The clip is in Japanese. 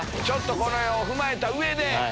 この辺を踏まえた上で。